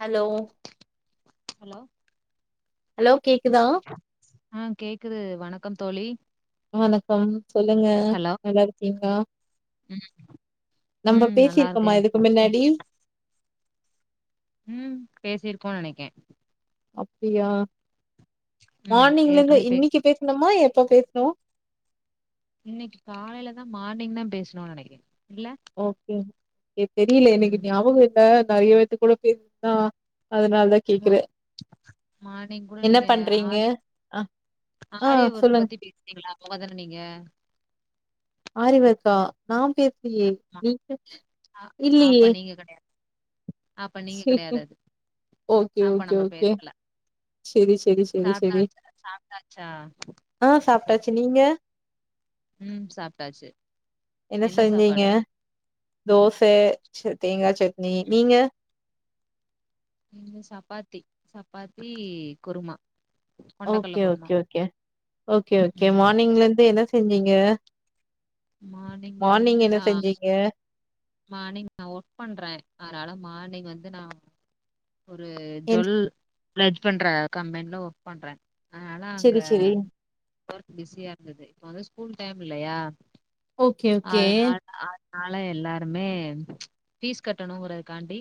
Hello hello hello கேக்குதா அ கேக்குது வணக்கம் தோழி வணக்கம் சொல்லுங்க ஹலோ நல்ல இருக்கீங்களா ம் நம்ப ம் நல்லா இருக்கே பேசிருக்கமா இதுக்கு மின்னாடி இன்னைக்கு ம் பேசிருக்கோ நெனைக்கே அப்டியா ஆமா மானிங்லந்து ஏற்கனவே பேசு இன்னிக்கு பேசணுமா என் இப்போ பேசணு இன்னிக்கி காலையிலதான் மார்னிங் தான் பேசணும்னு நினைக்கறேன் ஓகே ஏ தெரியல எனக்கு ம் ஞாபகோ இல்ல கையெழுத்து கூட பென் தா மா மார்னிங் கூட என்ன நீங்க பண்றீங்க ஆரி‌ அ ஆ ஆரிஒர்க் சொல்லுங்க பத்தி பேசுனிங்களே அவுங்கதான நீங்க ஆரி ஒர்க்கா நா பே ஏ நீங்க ஆ அப்ப இல்லயே நீங்க கெடையாது அப்ப நீங்க கிடையாது அது ஓகே அப்ப ஓகே நம்ம ஓகே பேசல செரி செரி செரி செரி சாப்ட்டாச்சா சாப்ட்டாச்சா ட்டாச்சி நீங்க உம் சாப்டாச்சி என்ன செஞ்சீங்க தோச ச தேங்கா சட்னி நீங்க இங்க சப்பாத்தி சப்பாத்தி குருமா கொண்டக்கல்ல okay kurma okay okay okay okay ம் மார்னிங்ல இருந்து என்ன செஞ்சீங்க மார்னிங்ல இருந்து மார்னிங் என்ன நா செஞ்சீங்க? மார்னிங் நா ஒர்க் பண்ற அதனால மார்னிங் வந்து நா ஒரு என் ஜொல் ப்லட் பண்ற கம்பெனில ஒர்க் பண்ற அதனால அங்க சரி, சரி. ஒர்க் பிஸியா இருந்தது வந்து ஸ்கூல் டைம் இல்லையா ஓகே ஓகே நால எல்லாருமே பீஸ் கட்டணுங்குறக்காண்டி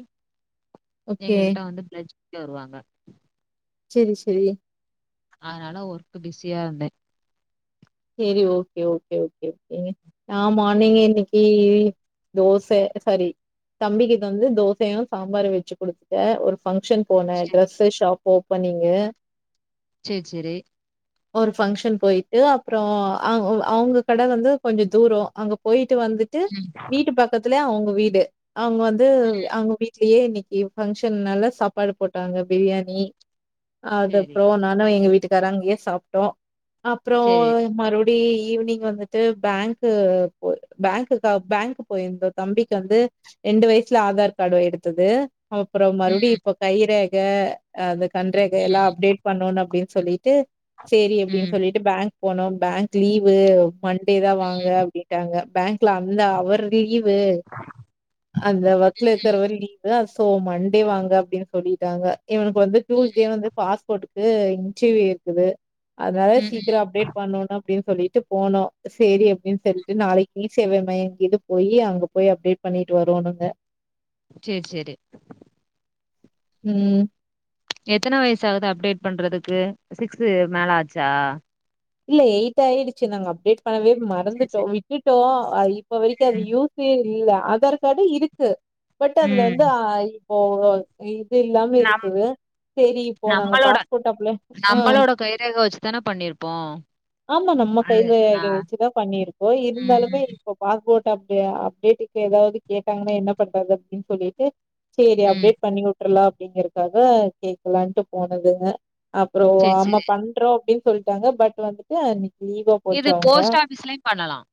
ஓகே. எங்ககிட்ட வந்து பிலஜ் ட்ல வருவாங்க செரி செரி அதனால ஒர்க்கு பிஸியா இருந்தே செரி ஓகே ஓகே ஓகே ஓகேங்க ஆமா நீங்க [unintelligible] தோச சரி தம்பிக்கு வந்து தோசையு சாம்பாரு வச்சு குடுத்துட்டா ஒரு பங்க்ஷன் போன டிரெஸ்சு ஷாப் ஓப்பனிங்கு செர் செரி ஒரு ஃபங்க்ஷன் போயிட்டு அப்புறோ அவ் அவுங்க கட வந்து கொஞ்சோ தூரோ அங்க போயி ட்டு வந்துட்டு ம் வீட்டு பக்கத்துல அவுங் வீடு அவுங்க வந்து அவுங்க வீ சே இன்னக்கி பங்ஷன் நால சாப்பாடு போட்டாங்க பிரியாணி அத சேரி போனானு எங்க வீட் வீட்டுக்கார சேரி அப்றம் மறுபடி ஈவினிங் வந்துட்டு பேங்க்கு போ பேங்க பேங்க்கு போயிருந்தோ தம்பிக்கு வந்து ரெண்டு வயசுல ஆதார் கார்டு எடுத்தது அப்றம் ம் மருபடி இப்ப கைரேக யே அதுக் கண்ரேக எல்லாம் அப்டேட் பண்ணுன் அப்டின் சொல்லி டு சேரி அப்டினு ம் சொல்லிட்டு பேங்கு போனோம் பேங்க் லீவு மண்டே தா வாங்க அப்டின்டாங்க பேங்க்ல அந்த அவர் லீ வு அந்த வக்கலயிருக்கறவரு லீ சோ மண்டே வாங்க அப்டினு சொல்லிடாங்க இவனுக்கு வந்து டூஸ்டே வந்து பாஸ்போர்டுக்கு இன்ட்ர்வியூ இருக்குது அதுநாள ம் ம் சீக்கிர அப்டேட் அப்டினு சொல்லிட்டு போனோம் சேரி எப் ன்னு சொல்ட்டு நாளைக்கு இ சேவ மையம் இது போயி அங்க போயி அப்டேட் பண்ணிட்டு வருவோனுங்க சேரி சேரி ம் எத்தன வயசுயாகுது அப்டேட் பண்றதுக்கு சிக்ஸ் மேல ஆச்சா இல்ல எயிட் ஆயிடுச்சு நாங்க அப்டேட் பண்ணவே சேரி மறந்துட்டோம் சேரி விட்டுட் டோம் இப்பவரைக்கும் அது யூஸ்ஸே யில்ல ஆதார் கார்டுயிருக்கு பட் அதுல ம் வந்து ஓஓகே நம் நாங்க நம்பளோட பாஸ்போர்ட் அப்ளை ஆ நம்பளோட கைரேக வச்சுதான பண்ணிருபோம் ஆம்மா நம்ம கைரேக வச்சுதா பண்ணிருப்போ ம் இருந்தாலுமே இப்ப பாஸ் போட் அப்டேட்டுக்கு ஏதாது கேட்டாங்கன்னா என்ன பண்றது அப்டினு சொல்லிட்டு சேரி ம் அப்டேட் பண்ணிவு ட்ருலா அபடியின்றதுக்காக கேக்கலான்டு போனதுங்க அப்றம் சரி, ஆமா சரி. பண்றோம் அப்டின் சொல்லிட்டாங்க பட் வந்துட்டு ஆ நி லீவா இது போச்சா அவங்க போஸ்ட் ஆஃபீஸ்லயும் பண்ணலாம்.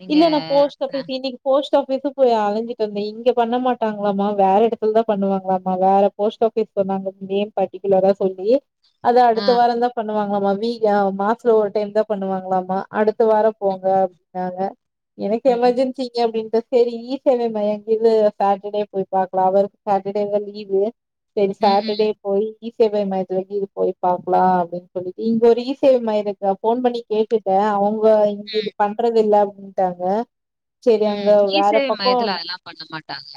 நீங்க இல்ல நான் போஸ்ட் அ இன்னைக்கு போஸ்ட் போஸ்ட் ஆபிஸ் போய் அழஞ்சிட்டு வந்தன் இங்க பண்ண மாட்டாங்களாமா வேற இடத்துல தான் பண்ணுவாங்களாமா வேற போஸ்ட் ஆபீஸ் சொன்னாங்க நேம் பர்டிகுலரா சொல்லி அத அடுத்த ம், வாரம் தான் பண் வாங்களலாமா வீக மாஸ் தில ஒரு டைம் தான் பண்ணுவாங்களாமா அடுத்த வாரம் போங்க அப்டின்னாங்க எனக்கு ம். எமர்ஜென்சிங்க அப்படின்டா சேரி இசேவை மையகது சாட்டர்டே போய் பாக்கலாம் அவருக்கு சாட்டர்டேவே லீவு சேரி ம், ம், சாட்டர்டே போய் இசேவை மையத்துலக்கது போய் பாக்கலாம் அப்டின்னு சொல்லிட்டு இங்க ஒரு இசேவை மையத போன் பண்ணி கேட்டுட்டேன் அவங் ல இங்க பண்றது இல்ல ட்டாங்க உம் இசேவை மையத்துல அதெல்லாம் பண்ண மாட்டாங்க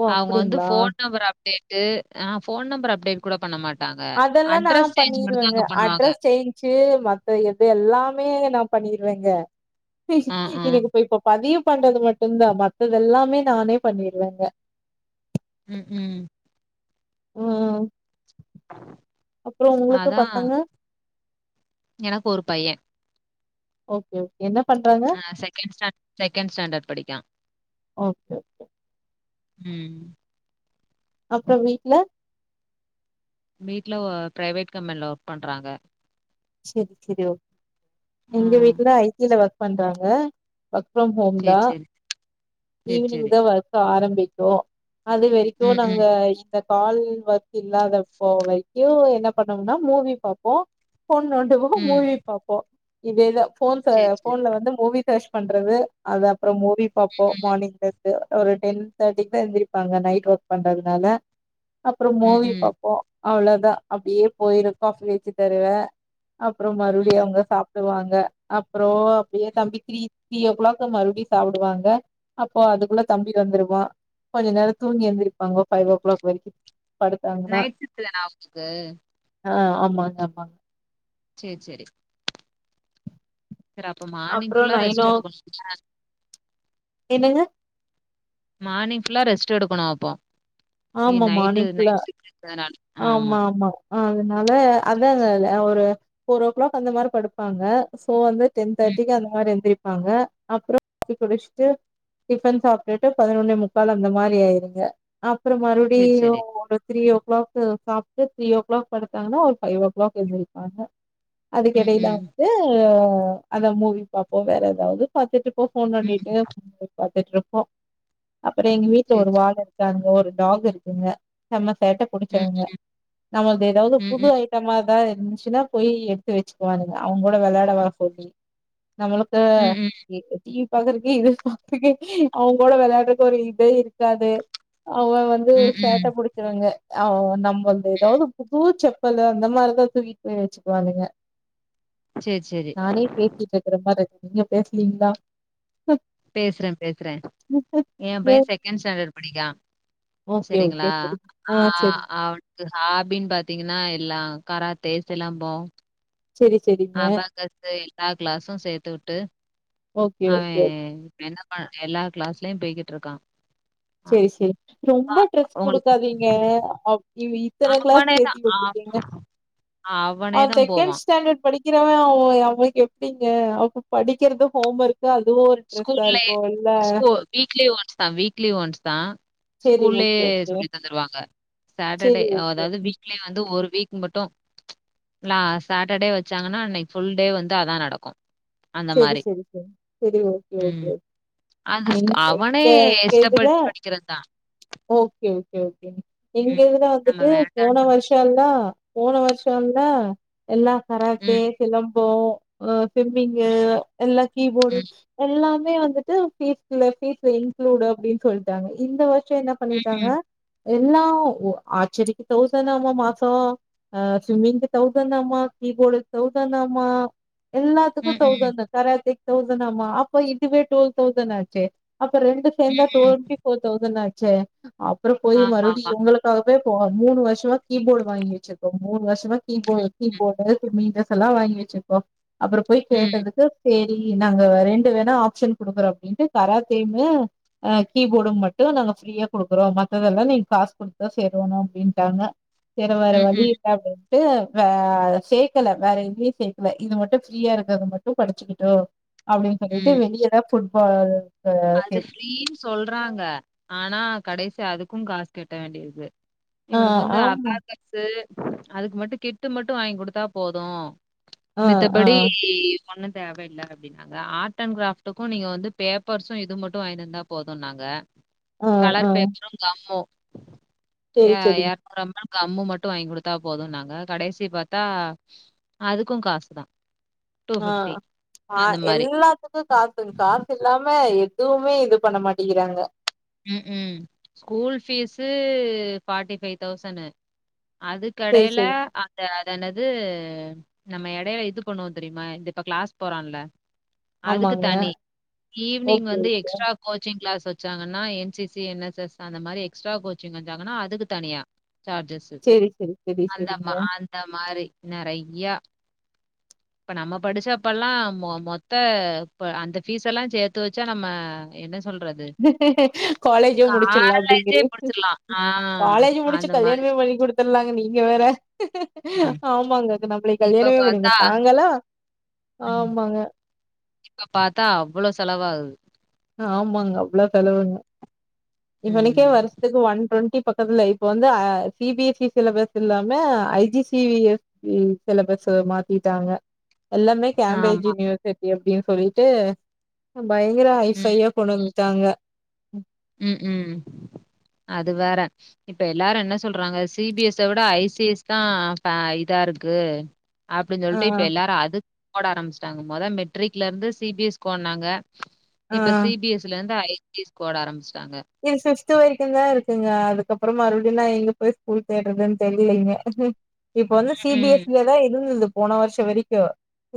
ஓ அவங்க வந்து அப்டிங்களா போன் நம்பர் அப்டேட் டு ஆஹ் போன் நம்பர் அப்டேட் கூட பண்ண மாட் அதெல்லாம் நான் பண்ணிருவேங்க பண்ணுவாங்க. அட்ரஸ் சேஞ்சு மத்த எது எல்லாமே நான் பண்ணிருவங்க அ, அ. எனக்கு இ இப்ப பதியும் பண்றது மட்டும்தான் மத்தது எல்லாமே நானே பண்ணிருவேங்க உம் உம் உம் அப்பறம் உங்களுக்கு அதான் பசங்க எனக்கு ஓகே என்ன பண்றாங்க ஆஹ் செகண்ட்ஸா செகண்ட் ஸ்டாண்டர்ட் படிக்கிறான் ஓகே உம் அப்பறம் வீட்ல வீட்ல ஓ பிரைவேட் கம்பெனியல ஒர்க் பண்றாங்க சேரி சேரி ஓகே ஆ எங்க வீட்டுல ஐ டில ஒர்க் பண்றாங்க ஒர்க் ஃப்ரம் ஹோம் சேரி தான் சேரி சேரி ஈவினிங் சேரி தான் ஒர்க் ஆரம் பிக்கும் அது வரைக்கும் ம் நாங்க ம் இந்த கால் ஒர்க் இல்லாதப்ப வரைக்கும் என்ன பண்ணோம்னா மூவி பாப்போம் போன் நோண்டுவோம் ம் மூவி பாப்போம் இது போன்ஸ சேரி சேரி போன்ல வந்து மூவி கிரஷ் பண்றது அதா. அப்ரோ மூவி பாப்போ மானிட்டர். ஒரு டென் தேர்ட்டிக்குதா எந்திரிப்பாங்க நைட் ஒர்க் பண்றதுனால. அப்ரோ ம் மூவி ம் பாப்போ. அவ்ளோதா அப்டியே போயிரு காபி வச்சு தருவ. அப்ரோ ம் மறுபடியும் ம் அவங்க சாப்புடுவாங்க. அப்ரோ அப்டியே தம்பி த்ரீ த்ரீ ஓ கிளாக்கு மறுபடியு சாப்பிடுவாங்க அப்போ அதுக்குள்ள தம்பி வந்துருவா. கொஞ்ச நேர தூங்கி எந்திருப்பாங்க ஃபைவ் ஓ கிளாக் வரைக்கு. படுத்தாங்கன்னா நயிட்ஷிபிட்டுதானா அவுனுக்கு. ஆ ஆமாங்க ஆமாங்க. சேச்ரி சேச்ரி. சேரி அப்போ மார்னிங் அப்புறோ ஃபுல்லா ரெஸ்ட் நைனோ எடுக்கணுங்களா. என்னங்க. மார்னிங் ஃபுல்லா ரெஸ்ட்டுக்கணும் அப்போ. எ ஆமா நைட்டு மார்னிங் ஃபுல்லா நைட் ஷிட்டு இருக்குறதுநாள ஆம்மா. ஆமா ஆமா அதனால அதான்ங்க ஒரு போரோஓ கிளாக் அந்த மாரி படுப்பாங்க. இப்ப வந்து டென் ம் தேர்டிக்கு அந்த மாரி எந்திரிப். ப்பாங்க அப்ரோ போய் குளிச்சுட்டு டிஃபன் சாப்புடுட்டு பதினொன்னேமுக்கால் அந்த மாரி ஆயிருங்க. அப்ரோ மறுபடியு சேரி சேரி ஒருத்திரீயோ. கிளாக் சாப்புட்டு த்ரீ ஓ கிளாக் படுத்தாங்கனா ஒரு பைவ்ஓ கிளாக் எந்திரிப்பாங்க. ம் அதுகெடையில ம் வந்து. அத மூவி பாப்போ வேற ஏதாவது பாத்துட்டு. இப்போ ம் போன்னோண்டிட்டு பாத்துட்ருப்போ. போ. அப்ரோ எங்க வீட்டுல சேரி ஒரு வாளு இருக். அங்க ஒரு டாக் இருக்குங்க செம. சேட்ட ம் புடுச்சவங்க. நமக்கு ஏதாவது ம் புது ம் ஐட்டமாதா. இனிஷியல போய் எடுத்து வச்சுக்குவானுங்க அவங்க கூட வெளையாட வர சொல்லி. நம்மளுக்கு. ம் ம் [unintelligible] [unintelligible] இது [unintelligible] அவங்களோட விளையாடுறது ஒரு இதே இருக்காது. அவ வந்து ம் சேட்ட ம் புடிச்சவங்க. ஆஹ நம். வந்து எதாவது புதூச்சப். ப்பலு அந்த மாரிதா தூகிட்டு போய் வச்சுக்குவானுங்க. சேரி சேரி நானே பேசிட்டு இருக்கிற மாரி இருக். நீங்க பேசலீங்களா பேசுறேன் பேசுறேன் என் பையன் மூவி செகண்ட் ஸ்டாண்டர்ட் படிக்கிறான் ஓகே ஓகே செரிங்களா சரி ஆ சரி ஆஹ் அவ ஹாபின்னு பாத்தீங்கன்னா எல்லாம் கராத்தே சிலம்பம் சரி சரிங்க அபாகஸ் ஸ்டைல் எல்லா கிளாஸும் சேர்த்து வுட்டு ஓகே ஓகே ஓகே அவேன் என்ன எல்லா கிளாஸ்லயும் போய்கிட்டு இருக்கான் சேரி சேரி ரொம்ப அப்பா ட்ரெஸ் உங்களுக்கு கொடுக்காதீங்க இவன் இத்தனை கிளாஸ் அவனே தான் ஆ சேத்துவிட்டுருக்கீங்க அவனே அவன் தான் செகண்ட் போவான். ஸ்டாண்டர்ட் படிக்கிறவன் அவனுக்கு எப்ப டிங்க அப்ப படிக்கிறது ஹோம் ஒர்க் ஸ்கூல்லே ஸ்கு வீக்லி ஒன்ஸ் தான் வீக்லி ஒன்ஸ் தான் சேரி ஸ்கூல்லயே ஓகே ஓகே சொல்லி தந்துருவாங்க சாட்டர்டே சேரி ஓகே அதாவது ஓகே வீக்லே வந்து ஒரு வீக் மட்டும் சாட்டர்டே வச்சாங்கன்னா அன்னைக்கு புல் டே வந்து அதான் நடக்கும் அந்த செரி மாரி. செரி செரி செரி ஓ கே ம். ஓகே ஓகே அது ஸ் அவனே எங்க இதுல இஷ்டப்பட்டு படிக்கிறது தான். ஓகே ஓகேங்க எங்க ம். இதுல நம்ம வந்துட்டு போன வேண்டான்னு வருஷம் எல் லாம் போன வருஷம் எல்லாம் எல்லாம் கராத்தே ம், சிலம் போவோம் அதான் செஞ்சி ம், எல்லாம் கீபோர்டு ம், எல்லாம் வந்துட்டு பீஸ்ல பீஸ் இன்க்ளூட் அப்படின்னு சொல்லிட்டாங்க இந்த வரு ஷம் என்ன பண்ணிட்டாங்க ம், எல்லாம் ஆச்சரிக்கு தௌசனாம மாசம் ஸ்விம்மிங்க்கு தௌசனாமா கீபோர்டுக்கு தௌசனாமா எல்லாம் ம், ம், தௌசனாமா காராத்தைக்கு தௌசனாமா அப்ப இதுவே டூவெல் தௌசண்ட் ஆச்சே அப்ப ரெண்டு சேர்ந்தா ம். ட்வென்டி ஃபோர் தௌசண்ட் ஆச் செ அப்பறம் போய் மறுபடியும் ஆமாமா. இவங்களுக்காகவே இப்போ மூணு வருஷமா கீபோர்ட் வாங்கிவச்சிருக்கோம் மூணு வருஷமா கீபோர்ட் கீபோர்ட மீடஸ் இதெல்லாம் வாங்கி வச்சிருக்கோ அப்புறம் போய் ம், கேட்டதுக்கு பேர் நாங்க ரெண்டு வேணா ஆப்ஷன் கொடுக்குறோம் அப்படின்ட்டு கராத்தையு அஹ் கீபோர்டு மட்டும் நாங்க ப்ரீயா கொடுக்குறோம் மத்ததெல்லாம் நீங்க காசு கொடுதா சேருவணும் அப்படின்ட்டாங்க திற வேற ம், வழி ம், இருக்காது சேர்கல வேற இதுயும் சேர்க்கல இது மட்டும் ப்ரீயா இருக்கு இத மட்டும் படிச்சுக்கிட்டு அப்படின்னு சொல்லிட்டு ம். வெளியேதான் புல் [unintelligible] அது ப்ரீனு சொல்றாங்க ஆனா கடைசி அதுக்கும் காசு கெட்ட வேண்டி இருக்கு ஆ இவனுக்கு வந்து ஆமா அபாகஸ்சு அதுக்கு மட்டும் கெட்டு மட்டும் வாங்கி கொடுத்தா போதும் ஆ மெத்த படி ஆ ஒண்ணும் தேவையில்ல அப்படினாங்க ஆர்ட் அண்ட் கிராப்ட்டுக்கும் நீங்க வந்து பேப் பர்சும் இது மட்டும் வாங்கிட்டு வந்தா போதும் நாங்க ஆ ஆ கலர் பேப்பரும் கம்மு செரி ஹ செரிங்க இரநூர் அம்மா கம்மு மட்டும் வாங்கி கொடுத்தா போதும்ன்னாங்க கடைசி பார்த்தா அதுக்கும் காசு தான் ஆஹ் ஆஹ அந்த மாரி. எல்லாத்துக்கும் காசு காசு இல்லாம எதுவுமே இது பண்ண மாட்டேங்கிறாங்க ம் ம் school fees party five thousand அது செரி கடையில செரி அந்த அதனது இது நம்ம இடையில இது பண்ணுவோம் தெரியுமா இந்த இப்ப கிளாஸ் போறான்ல அதுக்கு ஆமாங்க தனி ஈவினிங் ஓகே வந்து ஓகே எக்ஸ்ட்ரா கோச்சிங் கிளாஸ் வச்சு N C C N S S அந்த மாதிரி எக்ஸ்ட்ரா கோச்சிங் வச்சாங்கன்னா அதுக்கு தனியா சார்ஜஸ் செரி செரி செரி அந்த செரிங்க அந்த மாதிரி நெறை யா இப்ப நம்ம படிச்சப்பல்லாம் மொத்த அந்த பீஸ் எல்லாம் சேர்த்து வச்சா நம்ம என்ன சொல்றது காலேஜும் முடிச்சிடலாம் அப்படிங்க காலேஜே முடிச்சிடலாம். ஆ காலேஜ் முடிச்சு அந்த மாரி. கல்யாணமே பண்ணி கொடுத்துலாங்க நீங்க நீங்க வேற ம். ஆமாங்க அதுக் நம்மள இப்ப கல்யாணமே பார்த்தா பண்ணிர்க்ல நாங்க ம். ஆமாங்க இப்ப பார்த்தா அவ்ளோ செலவாகுது. ஆமாங்க அவ்வள செலவுங்க இவனுக்கே ம். வருஷத்துக்கு ஒன் டொண்டி பக்கத்துல இப்ப வந்து C B S E syllabus இல்லாம I G C B S சிலபஸ்ல மாத்திட்டாங்க எல்லாமே கேபேஜ் ஆமா. யூனிவச் எப்பயு சொல்லிட்டு பயங்கர தயா கொனல் ட்டாங்க உம் உம் அது வேற இப்ப எல்லாரு என்ன சொல்றாங்க சிபிஎஸ் விட ஐசிஎஸ் தா இதா இருக்கு அப்டின்னு ஆ சொல்லிட்டு இப்ப எல்லாரும் அதுக் போட ஆரம்பச்சிட்டாங்க மொத மெட்ரிக்ல இருந்து சிபிஎஸ் ஓனாங்க ஆ இப்ப சிபிஎஸ்ல இருந்து ஐ தீஸ் ஓட ஆரம் பிச்டாங்க த்து வரைக்கு தா இருக்குங்க அதுக்கப்புறம் மறுபடியும் நான் எங்க போய் ஸ்கூல் தேடுறதுன்னு தெரியலீங்க இப்ப வந்து ம். சிபிஎஸ்இங்கதா இருந்தது போன வருஷ வெரிக்கு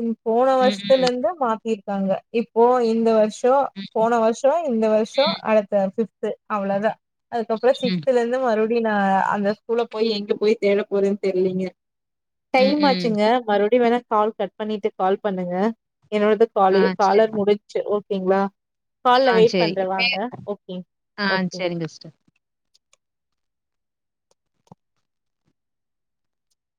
ம் போன ம், ம். வருஷத்துலருந்து மாத்தி க்காங்க இப்போ இந்த வருஷ் தோ போன வருஷம் இந்த வருஷம் அடுத்த சிப் த் அவ்ளதா அதுக்கப்பறம் ம். சிக்ஸ்த்லருந்து மறுடி அப்டின்னா அந்த ஸ்கூல போய் எங்க போய் தேட போறதுன் தெர்லீங்க ம், டைம் ம். ஆச்சிங்க மறுடியு வேணா கால் கட் பண்ணிட்டு கால் பண்ணுங்க என்னோடது கால் ஆ சரி. காலர் முடிஞ்ச்சி பீங்களா கால்ல வெயிட் பண்ற வாங்க ஓகே ஆஹ் ஓகே. சேரிங்க சிஸ்டர்